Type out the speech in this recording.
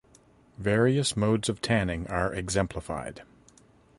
Various modes of tanning are exemplified.